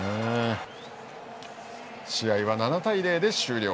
試合は７対０で終了。